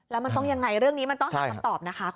แล้วมันต้องยังไงเรื่องนี้มันต้องหาคำตอบนะคะ